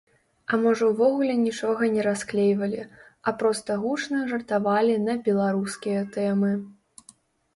А можа ўвогуле нічога не расклейвалі, а проста гучна жартавалі на беларускія тэмы.